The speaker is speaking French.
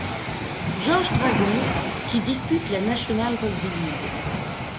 George Dragons qui dispute la National Rugby League.